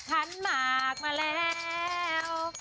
ขันหมากมาแล้ว